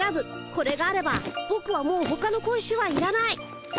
これがあればぼくはもうほかの小石はいらない。